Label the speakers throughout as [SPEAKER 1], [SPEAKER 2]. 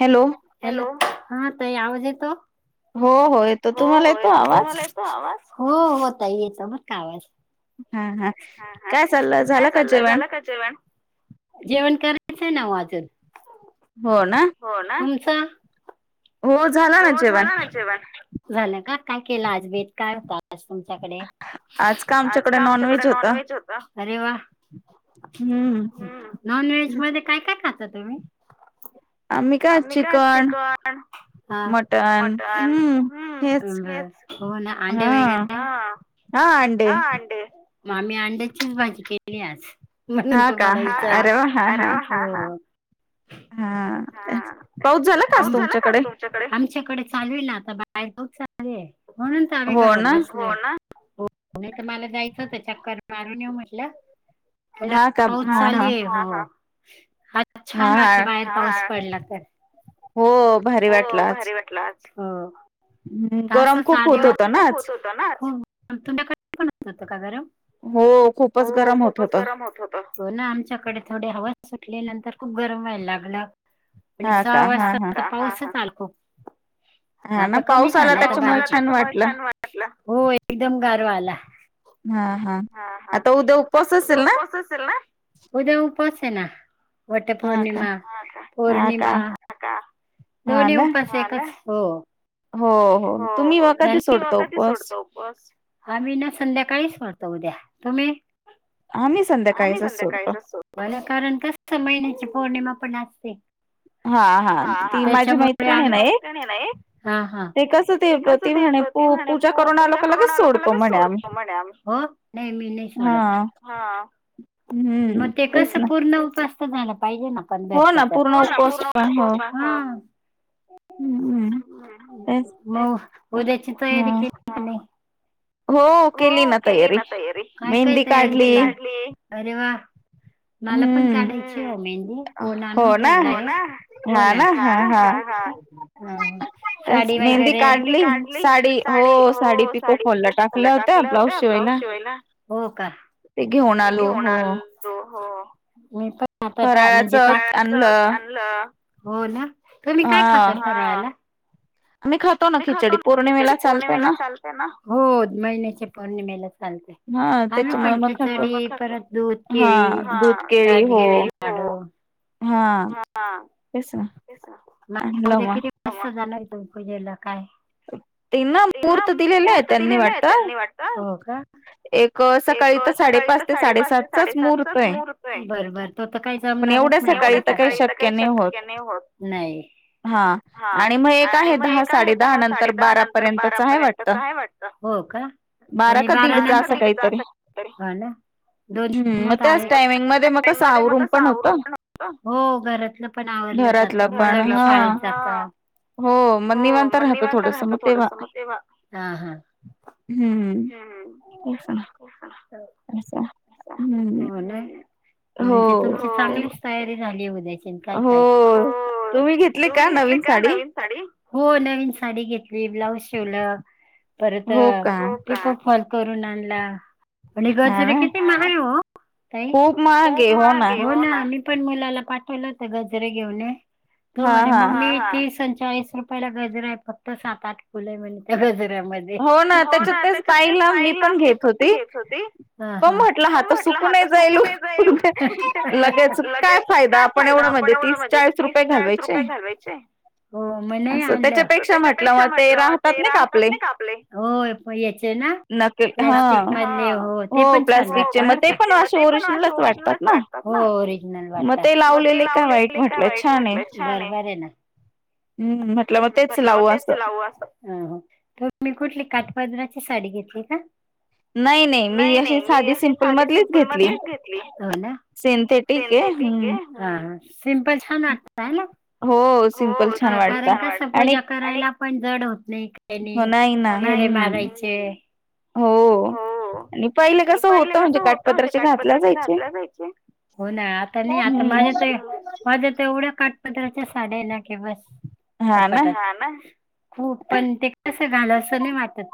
[SPEAKER 1] Hello.
[SPEAKER 2] Hello हां ताई आवज येतोय?
[SPEAKER 1] हो हो येतो तुम्हाला येतो आवाज?
[SPEAKER 2] तो आवाज? हो हो ताई येतो बर का आवाज.
[SPEAKER 1] हा हा काय चाललं झालं का जेवण?
[SPEAKER 2] जेवण? जेवण कराच ना वो आजून.
[SPEAKER 1] हो ना.
[SPEAKER 2] हो ना तुमचा.
[SPEAKER 1] हो.
[SPEAKER 2] हो झाला ना जेवण, झालं का? काय केलं आज बेत काय होता? आज तुमच्याकडे? आज का आमच्याकडे नॉनव्हेज होत. अरे व्वा!
[SPEAKER 1] हम्म.
[SPEAKER 2] नॉनव्हेज मध्ये काय काय खाता तुम्ही? आम्ही का चिकन हा मटन हम्म हेच, हो ना आंडे वगैरे हां.
[SPEAKER 1] हा अंडे.
[SPEAKER 2] अंडे म आम्ही अंड्याचीच भाजी केली आज. म नंतर मला विचारा अरे व्वा! हां हां.
[SPEAKER 1] हां पाऊस झाला का आज तुमच्याकडे?
[SPEAKER 2] च्याकडे आमच्याकडे चालूय ना आता बाहेर पाऊस चालू य म्हणून तर आम्ही घरात बसलो हो ना. हो नाही त मला जायचंच होत चक्कर मारून येऊ म्हटलं. [unintelligible] पाऊस चालूय हो आज छान वाटलं बाहेर पाऊस पडला तर.
[SPEAKER 1] हो.
[SPEAKER 2] हो भारी वाटला आज हो. त्रासचा आदि खूप होत होत ना हो तुमच्याकडे पण होत होत का गरम? हो खूपच गरम होत होत. हो ना आमच्याकडे थोडी हवाच सुटली नंतर खूप गरम व्हायला लागलं. आणि सहा वाजता तर पाऊसच आलखो.
[SPEAKER 1] हा ना पाऊस आला त्याच्यामुळे छान वाटल.
[SPEAKER 2] टल हो एकदम गारवा आला.
[SPEAKER 1] हा हा आता उद्या उपास असेल ना.
[SPEAKER 2] असल ना. उद्या उपास य ना. वटपौर्णिमा हा का पौर्णिमा हा का दोन्ही उपास हा ना एकच. हो.
[SPEAKER 1] हो हो तुम्ही म कधी सोडत उपवास.
[SPEAKER 2] उपवास आम्ही ना संध्याकाळीच सोडतो उद्या तुम्ही?
[SPEAKER 1] आम्ही संध्याकाळीच सोडतो.
[SPEAKER 2] मला कारण तस महिन्याची पौर्णिमा पण असते. त्याच्यामुळे मत्रि हा हा [unintelligible] ते कसं ते त म्हणे पू पूजा करून आलो का लगेच सोडतो म्हणे आम्ही - हो. नाही मी नाही. सोडत हा, मग ते कस पूर्ण उपवास- [unintelligible] हा. मग, उद्याची तयारी केली नाही? हो केली ना तयारी मेहंदी काढली. मला पण काढायची आहे मेहंदी कोन आणून ठेवलाय. हो ना साडी वगैरे मेहंदी काढली साडी हो साडी बीला टाकल्या होत्या ब्लाउज शिवायला. हो का?
[SPEAKER 1] ते घेऊन आलो हो
[SPEAKER 2] हो मी पण आता म्हणजे आणलं [unintelligible] हो ना तुम्ही काय खाता फराळाला
[SPEAKER 1] आम्ही खातो.
[SPEAKER 2] मी खातो ना खिचडी पौर्णिमेला चालते ना हो महिन्याच्या पौर्णिमेला चालते. आम्ही पण खिचडी परत दूध केळी राजगिरी लाडू.
[SPEAKER 1] हा तेच ना.
[SPEAKER 2] नाय उद्या किती वाजता जाणार तुम्ही पूजेला काय. ना मुहूर्त दिलेलं आहे त्यांनी वाटत. हो का? एक सकाळी तर साडेपाच ते साडेसातचच मुहूर्तये. बरोबर. तो तर काही जमणारच नाही. एवढ्या सकाळी तर काही शक्य नाही ओ. होत नाही. हा, आणि मग एका हे दहा साडे दहा नंतर बारा पर्यंतचा आहे वाटतं. हो का? आणि बारा नंतर, हा ना. दोन [unintelligible] टाईम मध्ये कस आवरुन पण होत हो घरातलं पण आव मधल जात मुलभी शाळेत जातात.
[SPEAKER 1] हो मग निवांत राहतो थोडस मग तेव्हा- हम्म तेच ना अस
[SPEAKER 2] हो ना, हो म्हणजे तुमची चांगलीच तयारी झाली आहे उद्याची न काय
[SPEAKER 1] हो तुम्ही घेतली का नवीन साडी?
[SPEAKER 2] साडी, हो नवीन साडी घेतली ब्लाउज शिवल परत पिको - फॉल करून आणला. आणि गजरे किती महाग हो ताई, खूप महाग आहेत. हो ना, मी - पण मुलाला पाठवलं होत गजरे घेऊन ये, तो म्हणे, हा ह ममी तीस आणि चाळीस रूप रूपयला गजरा आहे फक्त सात आठ फुलं आहे म्हणे त्या गजरामध्ये- हो ना त्याच्यात ताई ला, मी पण घेत होती, हा हा, तो म्हट म्हटल हा आता सुकून ही जाईल लगेच काय फायदा आपण पूर्ण म्हणजे तीस चाळीस रुपये घालवायचे. हो मग नाही आणलं, त्याच्यापेक्षा म्हटलं मग ते राहतात ना का आपले, होय होय याचे ना. प्लास्टिक मधले, हो ते पण छान वाटतात बर का, मग ते पण अशे ओरिजनलच वाटतात. हो ओरिजनल वाटतात. मग ते लावले काय वाईट म्हटलं, बरोबर आहे ना, छान आहे, म्हांटल मग तेच लावू अस ह ह, तुम्ही कुठली काठपदराची साडी घेतलीये का? नाही नाही मी अशी साधी सिंपल मधलीच घेतली. सिंथेटिक ये, सिंपल छान वाटतात ना.
[SPEAKER 1] हो.
[SPEAKER 2] कारण कस पूजा करायला पण जड होत नाही. त्यांनी फेरे मारायचे.
[SPEAKER 1] हो आणि पहिले कसं होत म्हणजे काटपत्राचे घातल्या जायचे.
[SPEAKER 2] हो ना आता नाही आता माझ्या तर माझ्यात एवढ्या काटपद्रच्या साड्या ना की बस कपाटात. खूप पण ते कस घाल असं नाही वाटत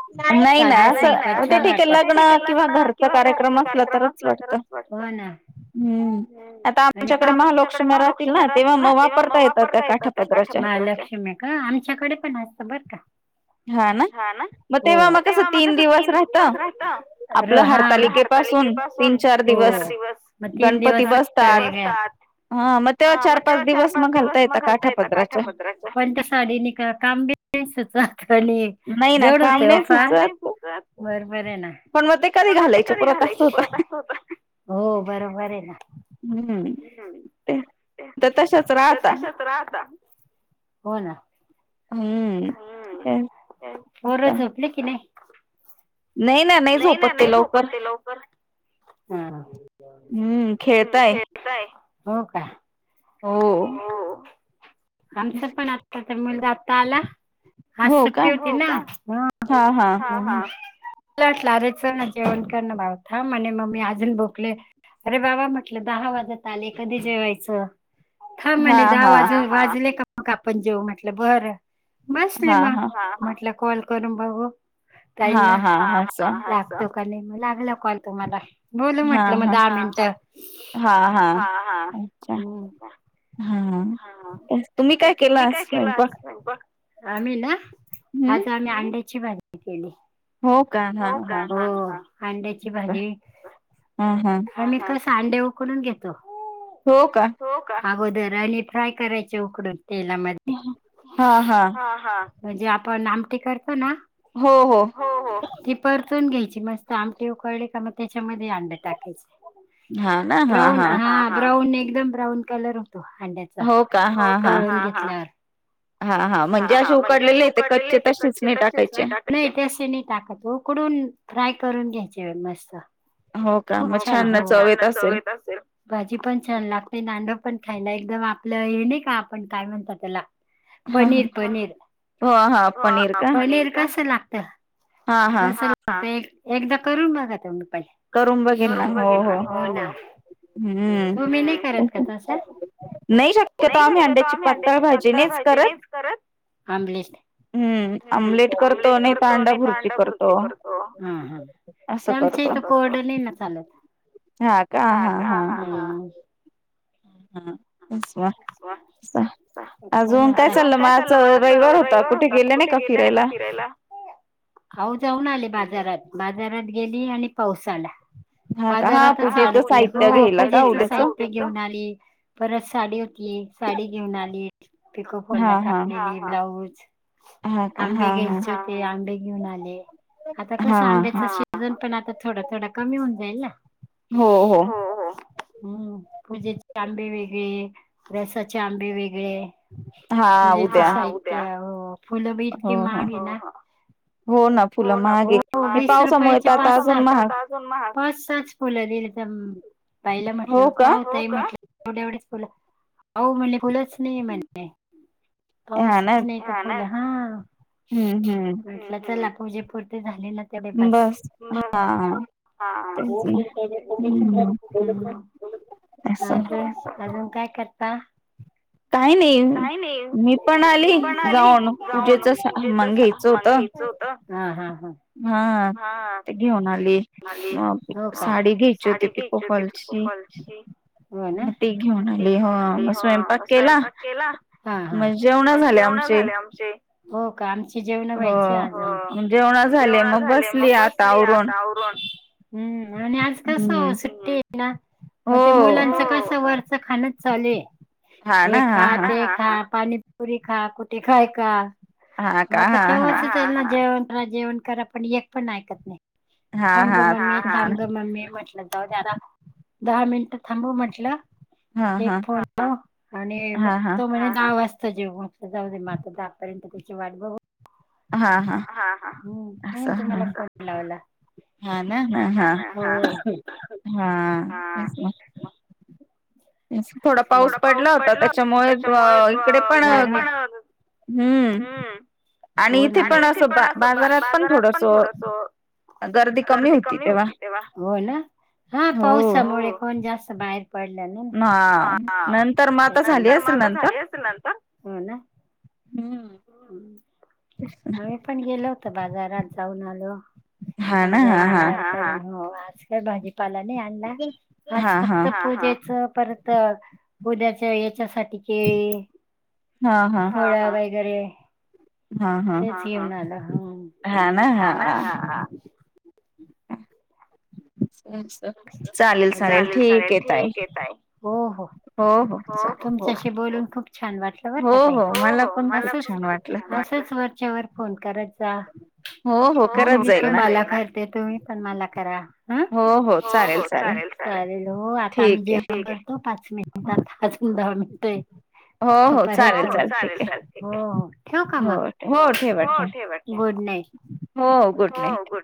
[SPEAKER 2] साध्या [unintelligible] ते ठिके लग्न किंवा घरचा कार्यक्रम असला तरच वाटत. आता आमच्याकडे महालक्ष्मीला असतील ना तेव्हा मग वापरता येत ते काठापदराच्या. हा आमच्याकडे पण असतं बरं का.
[SPEAKER 1] हा ना, म तेव्हा मग कसं तीन दिवस रहा
[SPEAKER 2] हा, हो. मग तीन दिवस [unintelligible] हा मग तेव्हा चार पाच दिवस मग घालता येत काठा पदर पण त्या साडीने क काम बीम [unintelligible] जड होते ओ फार, बरोबर आहे ना. हो बरोबर आहे ना.
[SPEAKER 1] हम्म, ते तशाच राहता.
[SPEAKER 2] हो ना.
[SPEAKER 1] हम्म.
[SPEAKER 2] पोर झोपले की नाही?
[SPEAKER 1] नाही ना नाही झोपत ते लवकर.
[SPEAKER 2] लवकर. हम.
[SPEAKER 1] हम्म, खेळताय.
[SPEAKER 2] हो का? आमचं पण आ आमचा तर मुलगा आता आला, आज सुट्टी होती ना. लाट लाराच ना जेवण करणं भाव थाम म्हणे ममी अजून भोकले अरे बाबा म्हटलं दहा वाजत आले कधी जेवायचं. थांब म्हणे दहा वाज वाजले का मग आपण जेऊ म्हटलं बर. बसले म म्हटलं कॉल करून बघू ताईंना. लागतो का नाही मग लागला कॉल तुम्हाला. बोलु म्हटलं मग दहा मिनट.
[SPEAKER 1] हा, तुम्ही काय केला आज स्वयंपाक?
[SPEAKER 2] आम्ही ना, आज आम्ही अंड्याची भाजी केली. हो अंड्याची भाजी. आणि कस अंडे उकडून घेतो.
[SPEAKER 1] हो का?
[SPEAKER 2] अगोदर आणि फ्राय करायचे उकडून तेलामध्ये. म्हणजे आपण आमटी करतो ना.
[SPEAKER 1] हो हो.
[SPEAKER 2] ती परतून घ्यायची मस्त आमटे उकळले का मग त्याच्यामध्ये अंडा टाकायचे ब्राऊन हा ब्राऊन एकदम ब्राऊन कलर होतो अंड्या
[SPEAKER 1] हो का? हा हा. हा हा म्हणजे असे उकडलेले आहे ते कच्चे तसेच नाही टाकायचे.
[SPEAKER 2] नाही तशे नाही टाकतो उकडून फ्राय करून घ्यायचे व मस्त. खूप छान. भाजी पण छान लागते नाड पण खायला एकदम आपलं हे नाय का आपण काय म्हणत त्याला पनीर पनीर, पनीर कस लागत.
[SPEAKER 1] हा हा.
[SPEAKER 2] एकदा करून बघा तुम्ही पण करून बगेल ना, हो हो, तू्म्ही नाही करत का तसं?
[SPEAKER 1] नाही शक
[SPEAKER 2] नाही शक्यतो, आम्ही अंड्याची पातळ भाजी नाहीच करत, आमलेट
[SPEAKER 1] हम्म! अमलेट करतो नाहीतर, अंडा भुर्जी करतो.
[SPEAKER 2] ते आमच्या इथ कोरडं नाही ना चालत, हा का? हा हा.
[SPEAKER 1] हम, [unintelligible]
[SPEAKER 2] अजून काय चाललं म, आज रविवार होता, कुठे गेले नाही का फिरायला? अहो, जाऊन आले बाजारात, बाजारात गेली आणि पाऊस आला. बाजारातच अडकले हो, पूजेच साहित्य घेऊन आली. परत साडी [unintelligible] साडी घेऊन आली, पिक फोलला टाकलेली, ब्लाऊज आंबे घ्यायचे होते, आंबे घेऊन आले, आता कस आंब्याच श वजन पण आता थोडा-थोडा कमी होऊन जाईल ना, हो हो. हम्! पूजेचे आंबे वेगळे, रसाचे आंबे वेग [unintelligible] पूजेच साहित्य, हा उद्या, हो, फुलं बी इतके महागे ना हो ना, हो, वीस रुपयाचे पाच स [unintelligible] बसच फुलं दिले तर, ताईला म्हटलं का हो, ताई म्हटलं एवढीच फुल, अहो म्हणे फुलच नाही म्हणते, पाऊसच नाही हा ना, हा म्हटलं चला, पूजे परते झालेल
[SPEAKER 1] बस, हा.
[SPEAKER 2] हा. [unintelligible] अ [unintelligible] अजून काय करता? काही नाही, मी पण आली जाऊन, पूजेच सामान घ्यायचं होत. हा हा हा. हा, हो का? साडी घ्यायची होती हो ना, ते घेऊन आली, हो म स्वयंपाक केला? म्हण जेवण झाले आमचे, हो का, आमचे जेवण व्हायचे अजून
[SPEAKER 1] जेवण झाले, मग बसली आता आवरुन
[SPEAKER 2] हम्म! आणि आज कस सुट्टी येत ना? मग ते मुलांच कस, वरचं खाणच चालूये हे खा, ते खा, पाणीपुरी खा, कुठे खाय का? मग आता केव्हाच ना [unintelligible] जेवण करा, पण एक पण ऐकत नाही. थांब ग मम्मी, थांब ग मम्मी, म्हटलं [unintelligible] दहा मिनट थांबू म्हटलं एक फोन म्हण, आणि बघतो म्हणे दहा वाजता च जेवण, जाऊ म आता, दहापर्यंत त्याची वाट बघ हा हा, म्हणून तुम्हाला कट लावला
[SPEAKER 1] हा ना, हा हा. थोडा पाऊस पडला होता, त्याच्यामुळे इकडे पण हम्म!
[SPEAKER 2] हो आणि इथे पण असं, बाजारात पण थोडस गर्दी कमी होती तेव्हा, हो ना, हा पावसामुळे कोण जास्त बाहेर पडल्या नंतर, हा हा, म आता झाली असेल नंतर, हो ना.
[SPEAKER 1] हम!
[SPEAKER 2] हम्म! आम्ही पण गेलो होतो बाजारात, जाऊन आलो. मजा, हा ना, हा हा, आज भाजीपाला नई आणला, आज फक्त पूजेच, परत तर उद्याच्या याच्यासाठी केळी, पोळ्या, वगैरे तेच घेऊन आलं, हा ना, हा हा. चालेल चालेल ठीकये ताई हो हो. तुमच्याशी बोलून खूप छान वाटलं बर का ताई. असेच वरच्या वर फोन करत जा मी तुम्हालाला करते तुम्ही पण मला करा. हो हो चालेल चालेल हो आता आम्ही जेवण करतो पाच मिनि [unintelligible] तो पर्यंत चालेल चालेल हो हो ठेवू का मग हो ठेवा. Good night.
[SPEAKER 1] हो गुड नाईट.